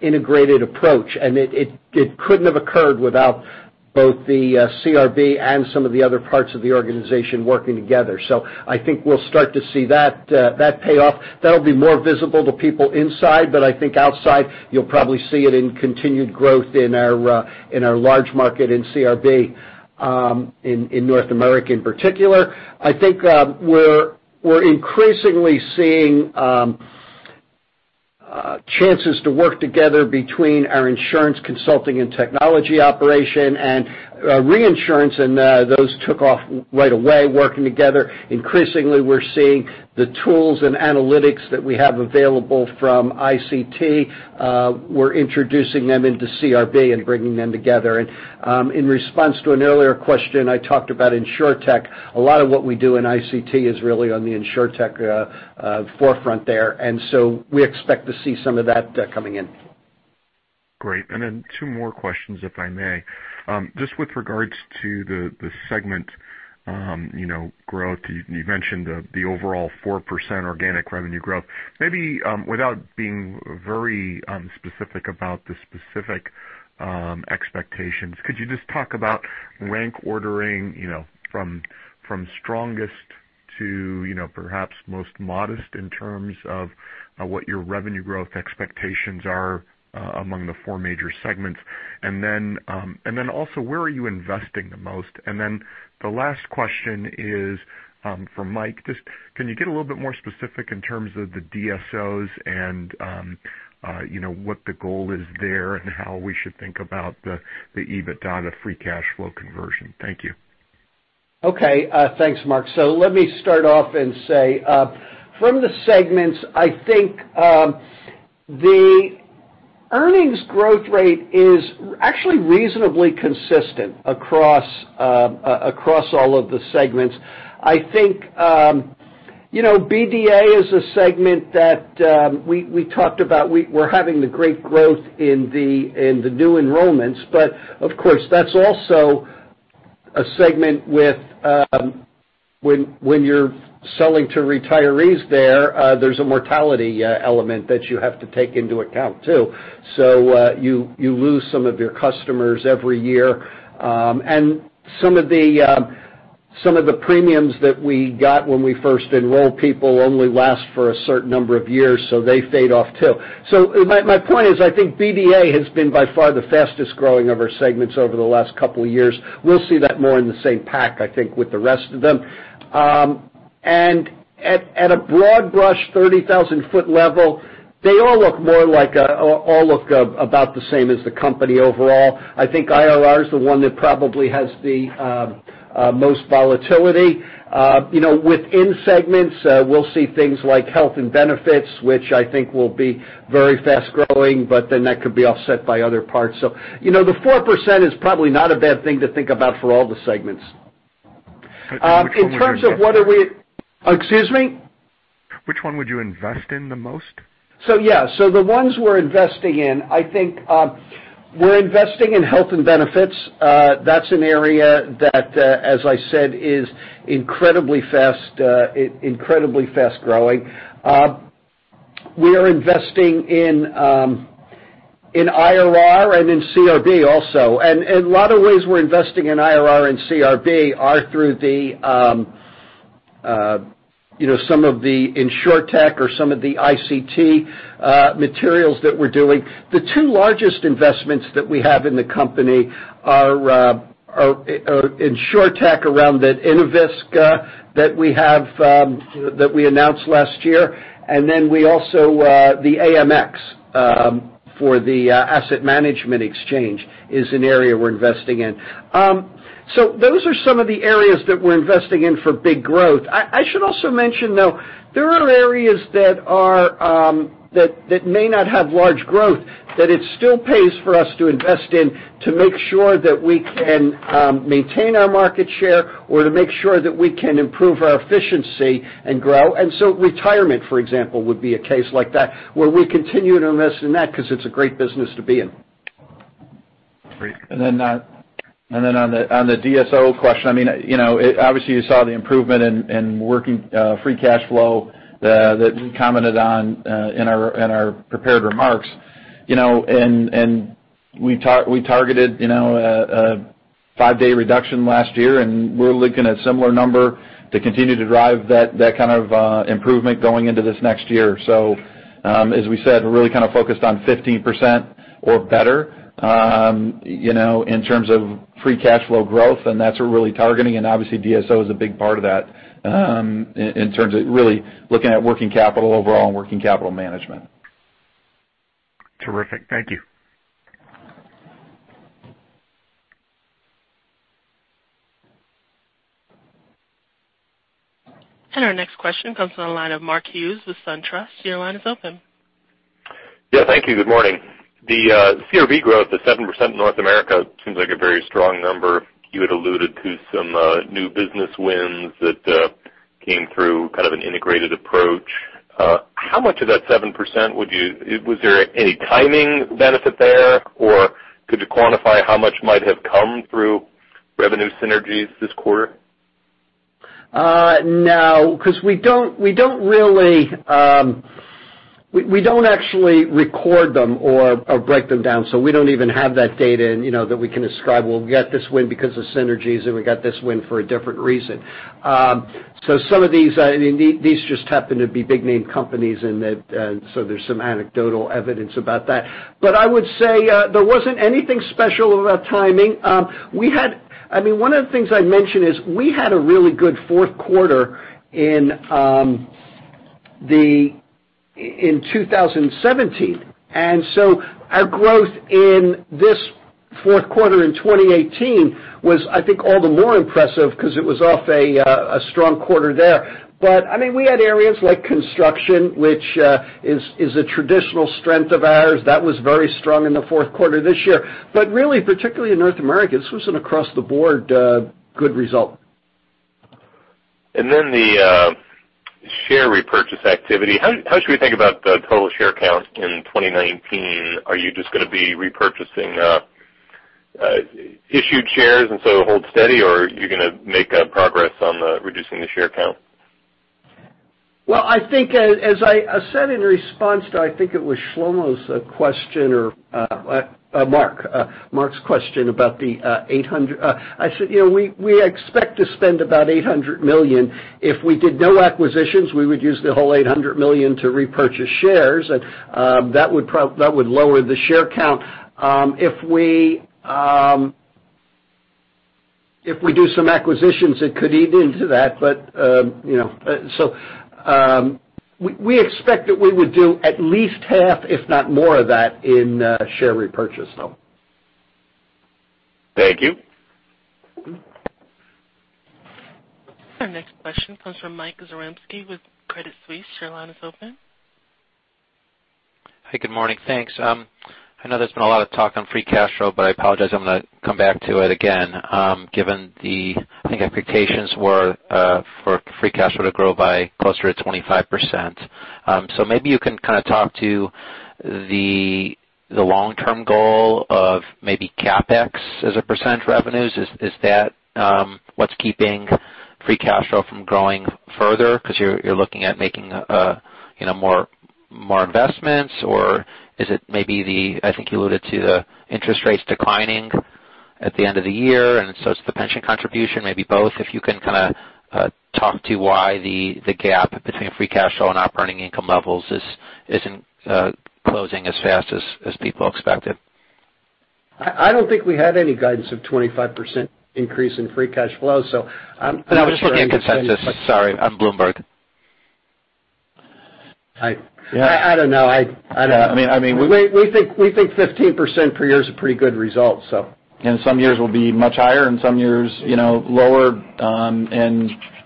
Speaker 3: integrated approach, and it couldn't have occurred without both the CRB and some of the other parts of the organization working together. I think we'll start to see that pay off. That'll be more visible to people inside. I think outside, you'll probably see it in continued growth in our large market in CRB, in North America in particular. I think we're increasingly seeing chances to work together between our insurance consulting and technology operation and reinsurance, and those took off right away, working together. Increasingly, we're seeing the tools and analytics that we have available from ICT. We're introducing them into CRB and bringing them together. In response to an earlier question, I talked about insurtech. A lot of what we do in ICT is really on the insurtech forefront there. We expect to see some of that coming in.
Speaker 8: Great. Two more questions, if I may. Just with regards to the segment growth, you mentioned the overall 4% organic revenue growth. Maybe without being very specific about the specific expectations, could you just talk about rank ordering, from strongest to perhaps most modest in terms of what your revenue growth expectations are among the four major segments? Also, where are you investing the most? The last question is for Mike, just can you get a little bit more specific in terms of the DSOs and what the goal is there and how we should think about the EBITDA to free cash flow conversion? Thank you.
Speaker 3: Okay. Thanks, Mark. Let me start off and say, from the segments, I think the earnings growth rate is actually reasonably consistent across all of the segments. I think BDA is a segment that we talked about. We're having the great growth in the new enrollments. Of course, that's also a segment when you're selling to retirees there's a mortality element that you have to take into account, too. You lose some of your customers every year. Some of the premiums that we got when we first enrolled people only last for a certain number of years, they fade off, too. My point is, I think BDA has been by far the fastest-growing of our segments over the last couple of years. We'll see that more in the same pack, I think, with the rest of them. At a broad brush, 30,000-foot level, they all look about the same as the company overall. I think IRR is the one that probably has the most volatility. Within segments, we'll see things like health and benefits, which I think will be very fast-growing, that could be offset by other parts. The 4% is probably not a bad thing to think about for all the segments.
Speaker 8: Which one would you invest in?
Speaker 3: In terms of Excuse me?
Speaker 8: Which one would you invest in the most?
Speaker 3: Yeah. The ones we're investing in, I think we're investing in Human Capital & Benefits. That's an area that as I said, is incredibly fast-growing. We are investing in IRR and in CRB also. A lot of ways we're investing in IRR and CRB are through some of the insurtech or some of the ICT materials that we're doing. The two largest investments that we have in the company are insurtech around the Inovidea that we announced last year. Then we also, the AMX for the Asset Management Exchange is an area we're investing in. Those are some of the areas that we're investing in for big growth. I should also mention, though, there are areas that may not have large growth, that it still pays for us to invest in to make sure that we can maintain our market share or to make sure that we can improve our efficiency and grow. Retirement, for example, would be a case like that, where we continue to invest in that because it's a great business to be in.
Speaker 8: Great.
Speaker 4: On the DSO question, obviously you saw the improvement in working free cash flow that we commented on in our prepared remarks. We targeted a five-day reduction last year, and we're looking at a similar number to continue to drive that kind of improvement going into this next year. As we said, we're really focused on 15% or better in terms of free cash flow growth, and that's what we're really targeting. Obviously DSO is a big part of that in terms of really looking at working capital overall and working capital management.
Speaker 8: Terrific. Thank you.
Speaker 1: Our next question comes from the line of Mark Hughes with SunTrust. Your line is open.
Speaker 9: Yeah. Thank you. Good morning. The Corporate Risk and Broking growth of 7% in North America seems like a very strong number. You had alluded to some new business wins that came through kind of an integrated approach. How much of that 7%, was there any timing benefit there? Could you quantify how much might have come through revenue synergies this quarter?
Speaker 3: No, because we don't actually record them or break them down, so we don't even have that data that we can ascribe, "Well, we got this win because of synergies, and we got this win for a different reason." These just happen to be big name companies, and there's some anecdotal evidence about that. I would say there wasn't anything special about timing. One of the things I'd mention is we had a really good fourth quarter in 2017, our growth in this fourth quarter in 2018 was, I think, all the more impressive because it was off a strong quarter there. We had areas like construction, which is a traditional strength of ours, that was very strong in the fourth quarter this year. Really, particularly in North America, this was an across the board good result.
Speaker 9: The share repurchase activity. How should we think about the total share count in 2019? Are you just going to be repurchasing issued shares and so hold steady, or are you going to make progress on reducing the share count?
Speaker 3: Well, I think as I said in response to, I think it was Shlomo's question or Mark's question about the $800. I said we expect to spend about $800 million. If we did no acquisitions, we would use the whole $800 million to repurchase shares, and that would lower the share count. If we do some acquisitions, it could eat into that. We expect that we would do at least half, if not more of that in share repurchase, though.
Speaker 9: Thank you.
Speaker 1: Our next question comes from Michael Zaremski with Credit Suisse. Your line is open.
Speaker 10: Hi, good morning. Thanks. I know there's been a lot of talk on free cash flow, but I apologize, I'm going to come back to it again given I think expectations were for free cash flow to grow by closer to 25%. Maybe you can kind of talk to the long-term goal of maybe CapEx as a percent revenues. Is that what's keeping free cash flow from growing further because you're looking at making more investments? Is it maybe I think you alluded to the interest rates declining at the end of the year, and so it's the pension contribution, maybe both. If you can kind of talk to why the gap between free cash flow and operating income levels isn't closing as fast as people expected.
Speaker 3: I don't think we had any guidance of 25% increase in free cash flow, so I'm.
Speaker 10: No, I'm just looking at consensus. Sorry, on Bloomberg.
Speaker 3: I don't know.
Speaker 4: Yeah.
Speaker 3: We think 15% per year is a pretty good result.
Speaker 4: Some years will be much higher and some years lower.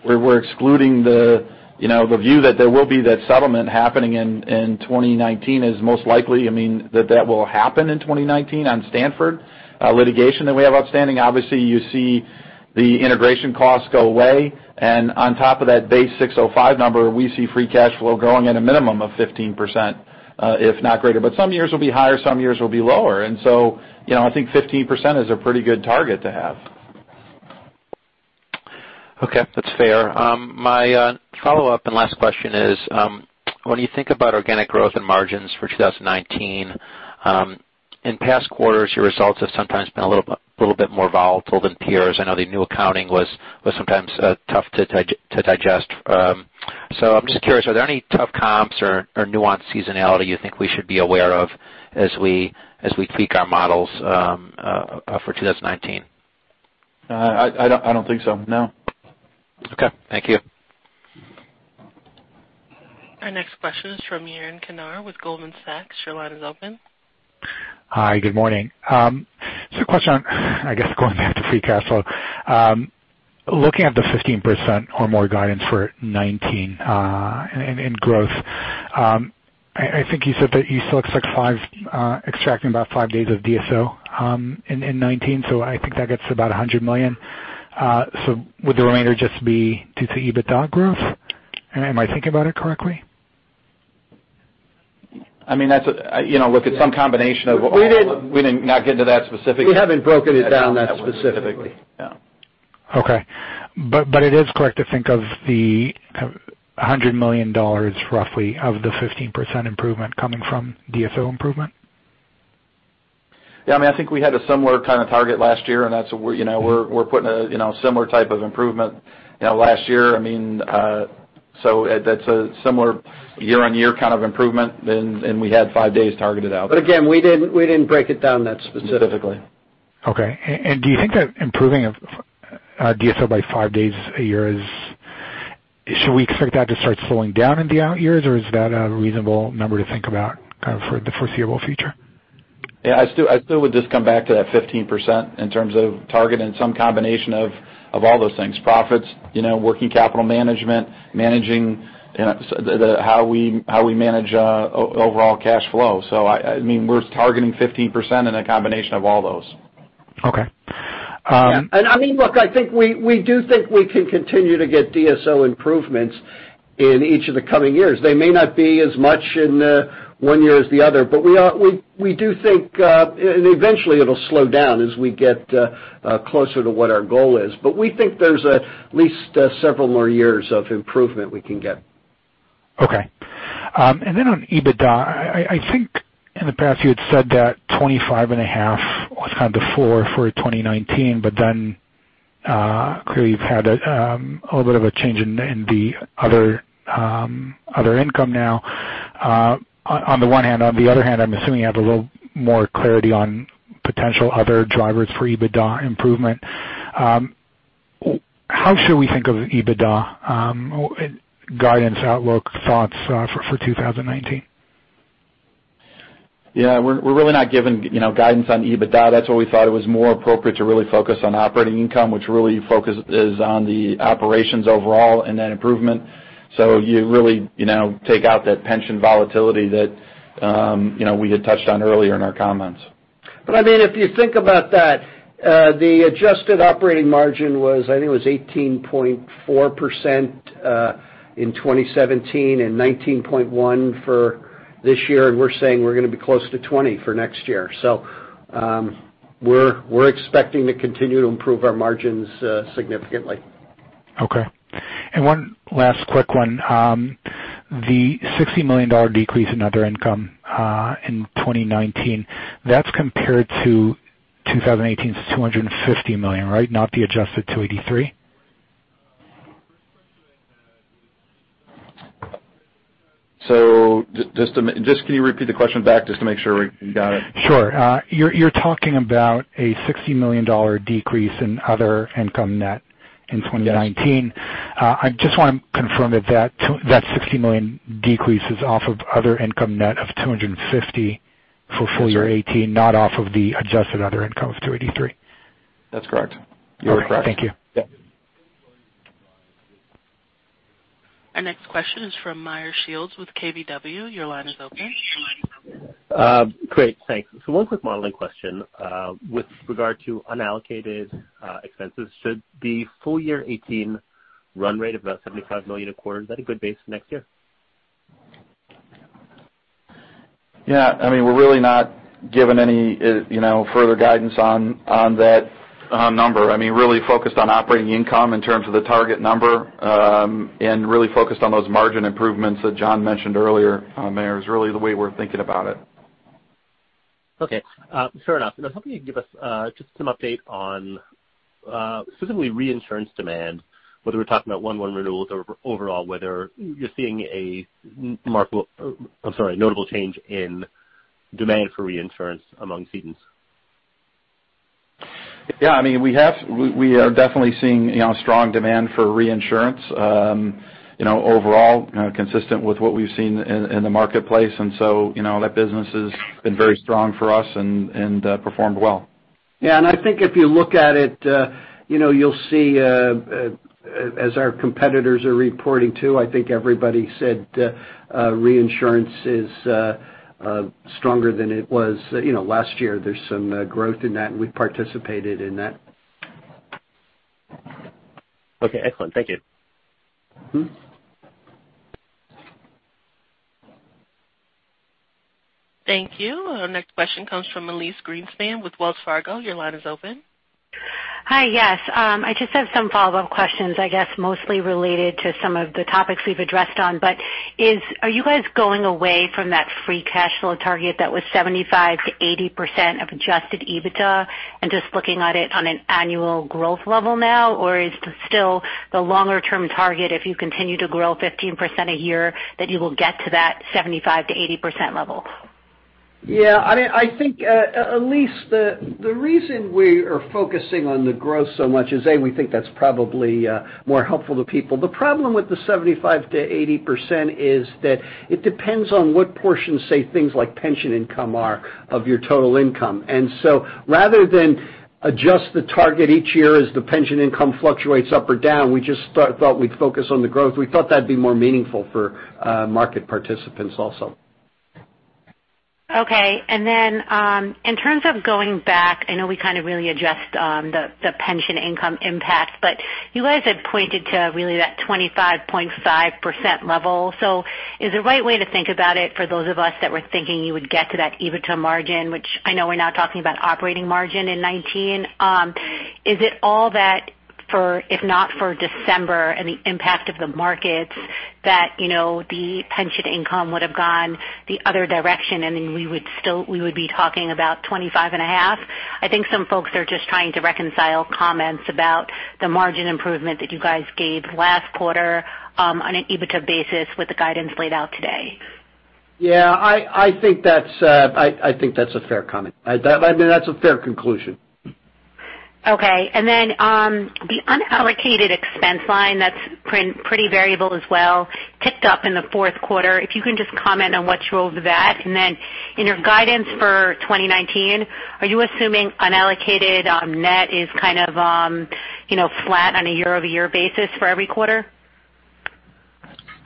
Speaker 4: We're excluding the view that there will be that settlement happening in 2019 is most likely, that that will happen in 2019 on Stanford litigation that we have outstanding. Obviously, you see the integration costs go away, and on top of that base 605 number, we see free cash flow growing at a minimum of 15%, if not greater. Some years will be higher, some years will be lower. I think 15% is a pretty good target to have.
Speaker 9: Okay. That's fair. My follow-up and last question is, when you think about organic growth and margins for 2019, in past quarters, your results have sometimes been a little bit more volatile than peers. I know the new accounting was sometimes tough to digest. I'm just curious, are there any tough comps or nuanced seasonality you think we should be aware of as we tweak our models for 2019?
Speaker 4: I don't think so. No.
Speaker 10: Okay. Thank you.
Speaker 1: Our next question is from Yaron Kinar with Goldman Sachs. Your line is open.
Speaker 11: Hi, good morning. A question on, I guess, going back to free cash flow. Looking at the 15% or more guidance for 2019 in growth. I think you said that you still expect extracting about five days of DSO in 2019, I think that gets to about $100 million. Would the remainder just be due to EBITDA growth? Am I thinking about it correctly?
Speaker 4: Look, it's some combination of all of them.
Speaker 11: We didn't-
Speaker 4: We did not get into that specifically.
Speaker 11: We haven't broken it down that specifically.
Speaker 4: Yeah.
Speaker 11: Okay. Is it correct to think of the $100 million roughly of the 15% improvement coming from DSO improvement?
Speaker 4: Yeah, I think we had a similar kind of target last year, and we're putting a similar type of improvement. Last year, so that's a similar year-on-year kind of improvement than when we had five days targeted out.
Speaker 11: Again, we didn't break it down that specifically.
Speaker 4: Specifically.
Speaker 11: Okay. Do you think that improving DSO by five days a year should we expect that to start slowing down in the out years, or is that a reasonable number to think about kind of for the foreseeable future?
Speaker 4: Yeah, I still would just come back to that 15% in terms of targeting some combination of all those things. Profits, working capital management, managing how we manage overall cash flow. We're targeting 15% in a combination of all those.
Speaker 11: Okay.
Speaker 3: Yeah. Look, I think we do think we can continue to get DSO improvements in each of the coming years. They may not be as much in one year as the other. We do think, eventually it'll slow down as we get closer to what our goal is. We think there's at least several more years of improvement we can get.
Speaker 11: Okay. Then on EBITDA. I think in the past you had said that 25.5 was kind of the floor for 2019, clearly you've had a little bit of a change in the other income now on the one hand. On the other hand, I'm assuming you have a little more clarity on potential other drivers for EBITDA improvement. How should we think of EBITDA guidance outlook thoughts for 2019?
Speaker 4: Yeah, we're really not giving guidance on EBITDA. That's why we thought it was more appropriate to really focus on operating income, which really focus is on the operations overall and that improvement. You really take out that pension volatility that we had touched on earlier in our comments.
Speaker 3: If you think about that, the adjusted operating margin was, I think it was 18.4% in 2017 and 19.1% for this year, we're saying we're going to be close to 20% for next year. We're expecting to continue to improve our margins significantly.
Speaker 4: Okay.
Speaker 11: One last quick one. The $60 million decrease in other income, in 2019, that's compared to 2018's $250 million, right? Not the adjusted $283 million?
Speaker 4: Just a minute. Can you repeat the question back just to make sure we got it?
Speaker 11: Sure. You're talking about a $60 million decrease in other income net in 2019.
Speaker 4: Yes.
Speaker 11: I just want to confirm that $60 million decrease is off of other income net of $250 for full year 2018, not off of the adjusted other income of $283.
Speaker 4: That's correct. You are correct.
Speaker 11: Thank you.
Speaker 4: Yeah.
Speaker 1: Our next question is from Meyer Shields with KBW. Your line is open.
Speaker 12: Great, thanks. One quick modeling question. With regard to unallocated expenses, should the full year 2018 run rate of that $75 million a quarter, is that a good base for next year?
Speaker 4: Yeah, we're really not giving any further guidance on that number. Really focused on operating income in terms of the target number, and really focused on those margin improvements that John mentioned earlier, Meyer, is really the way we're thinking about it.
Speaker 12: Okay. Fair enough. I was hoping you could give us just some update on specifically reinsurance demand, whether we're talking about 1/1 renewals or overall, whether you're seeing a notable change in demand for reinsurance among cedents.
Speaker 4: Yeah, we are definitely seeing strong demand for reinsurance overall, consistent with what we've seen in the marketplace. That business has been very strong for us and performed well.
Speaker 3: Yeah, I think if you look at it, you'll see as our competitors are reporting, too, I think everybody said reinsurance is stronger than it was last year. There's some growth in that, and we've participated in that.
Speaker 12: Okay, excellent. Thank you.
Speaker 1: Thank you. Our next question comes from Elyse Greenspan with Wells Fargo. Your line is open.
Speaker 13: Hi. Yes. I just have some follow-up questions, I guess mostly related to some of the topics we've addressed on. Are you guys going away from that free cash flow target that was 75%-80% of adjusted EBITDA and just looking at it on an annual growth level now? Or is still the longer-term target, if you continue to grow 15% a year, that you will get to that 75%-80% level?
Speaker 3: Yeah, I think, Elyse, the reason we are focusing on the growth so much is, A, we think that's probably more helpful to people. The problem with the 75%-80% is that it depends on what portions, say, things like pension income are of your total income. Rather than adjust the target each year as the pension income fluctuates up or down, we just thought we'd focus on the growth. We thought that'd be more meaningful for market participants also.
Speaker 13: Okay. In terms of going back, I know we kind of really adjust the pension income impact, but you guys had pointed to really that 25.5% level. Is the right way to think about it, for those of us that were thinking you would get to that EBITDA margin, which I know we're now talking about operating margin in 2019, is it all that for, if not for December and the impact of the markets, that the pension income would have gone the other direction, and then we would be talking about 25.5%? I think some folks are just trying to reconcile comments about the margin improvement that you guys gave last quarter, on an EBITDA basis with the guidance laid out today.
Speaker 3: Yeah, I think that's a fair comment. I mean, that's a fair conclusion.
Speaker 13: Okay. The unallocated expense line that's pretty variable as well, ticked up in the fourth quarter. If you can just comment on what drove that. In your guidance for 2019, are you assuming unallocated net is kind of flat on a year-over-year basis for every quarter?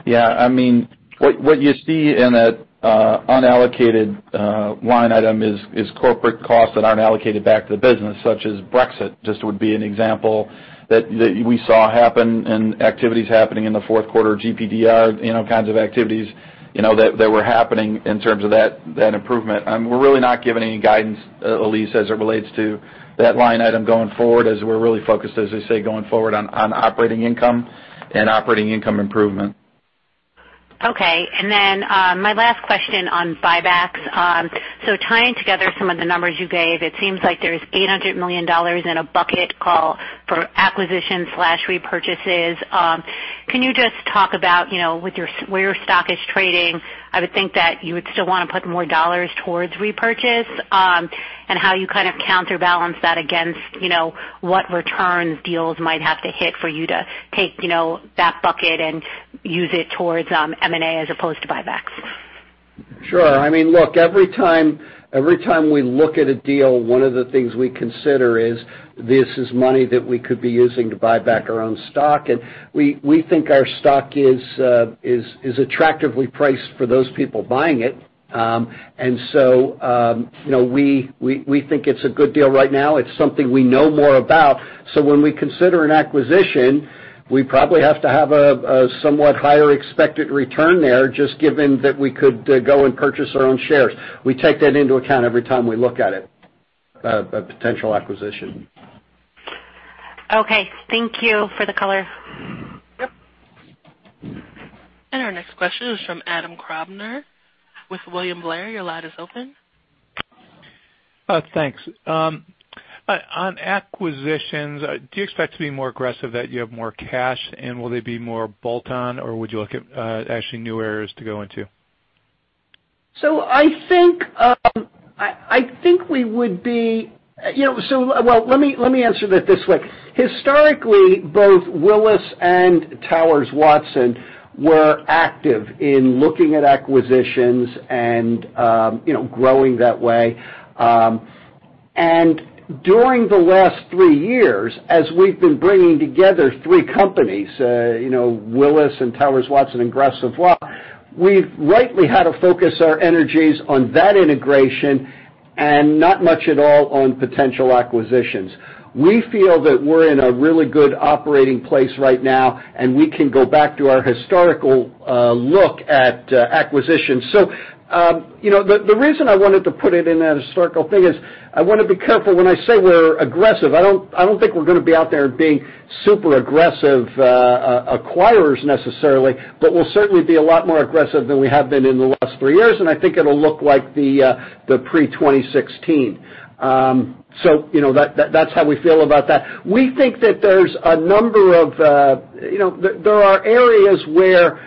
Speaker 4: What you see in that unallocated line item is corporate costs that aren't allocated back to the business, such as Brexit, just would be an example that we saw happen and activities happening in the fourth quarter, GDPR kinds of activities that were happening in terms of that improvement. We're really not giving any guidance, Elyse, as it relates to that line item going forward, as we're really focused, as I say, going forward on operating income and operating income improvement.
Speaker 13: Okay. My last question on buybacks. Tying together some of the numbers you gave, it seems like there's $800 million in a bucket call for acquisition/repurchases. Can you just talk about where your stock is trading? I would think that you would still want to put more dollars towards repurchase, and how you kind of counterbalance that against what returns deals might have to hit for you to take that bucket and use it towards M&A as opposed to buybacks.
Speaker 3: Sure. Look, every time we look at a deal, one of the things we consider is this is money that we could be using to buy back our own stock. We think our stock is attractively priced for those people buying it. We think it's a good deal right now. It's something we know more about. When we consider an acquisition, we probably have to have a somewhat higher expected return there, just given that we could go and purchase our own shares. We take that into account every time we look at it, a potential acquisition.
Speaker 13: Okay. Thank you for the color.
Speaker 1: Yep. Our next question is from Adam Klauber with William Blair. Your line is open.
Speaker 14: Thanks. On acquisitions, do you expect to be more aggressive that you have more cash, and will they be more bolt-on, or would you look at actually new areas to go into?
Speaker 3: I think we would be well, let me answer that this way. Historically, both Willis and Towers Watson were active in looking at acquisitions and growing that way. During the last three years, as we've been bringing together three companies, Willis and Towers Watson, and Gras Savoye, we've rightly had to focus our energies on that integration and not much at all on potential acquisitions. We feel that we're in a really good operating place right now, and we can go back to our historical look at acquisitions. The reason I wanted to put it in that historical thing is I want to be careful when I say we're aggressive. I don't think we're going to be out there being super aggressive acquirers necessarily, but we'll certainly be a lot more aggressive than we have been in the last three years, and I think it'll look like the pre-2016. That's how we feel about that. We think that there are areas where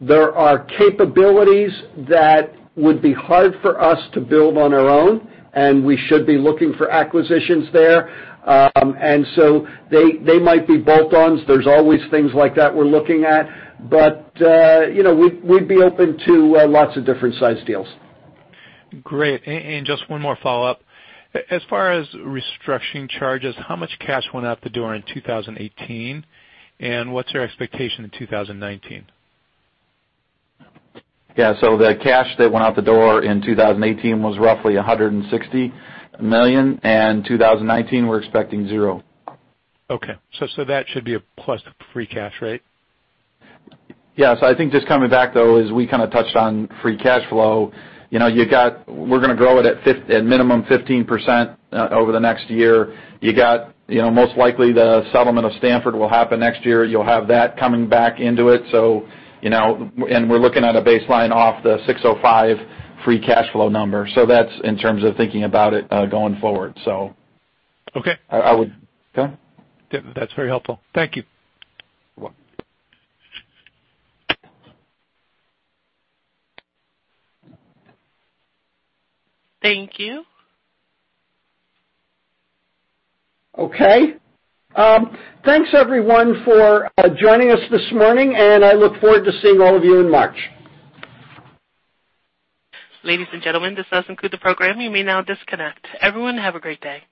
Speaker 3: there are capabilities that would be hard for us to build on our own, and we should be looking for acquisitions there. They might be bolt-ons. There's always things like that we're looking at. We'd be open to lots of different size deals.
Speaker 14: Great. Just one more follow-up. As far as restructuring charges, how much cash went out the door in 2018, and what's your expectation in 2019?
Speaker 4: Yeah. The cash that went out the door in 2018 was roughly $160 million, and 2019, we're expecting zero.
Speaker 14: Okay. That should be a plus free cash, right?
Speaker 4: Yeah. I think just coming back, though, is we kind of touched on free cash flow. We're going to grow it at minimum 15% over the next year. Most likely, the settlement of Stanford will happen next year. You'll have that coming back into it. We're looking at a baseline off the 605 free cash flow number. That's in terms of thinking about it going forward.
Speaker 14: Okay
Speaker 4: Go ahead.
Speaker 14: That's very helpful. Thank you.
Speaker 4: You're welcome.
Speaker 1: Thank you.
Speaker 3: Thanks, everyone, for joining us this morning. I look forward to seeing all of you in March.
Speaker 1: Ladies and gentlemen, this does conclude the program. You may now disconnect. Everyone, have a great day.